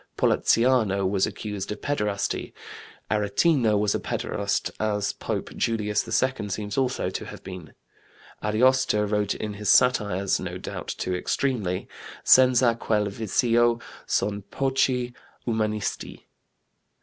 Poliziano was accused of pederasty. Aretino was a pederast, as Pope Julius II seems also to have been. Ariosto wrote in his satires, no doubt too extremely: "Senza quel vizio son pochi umanisti."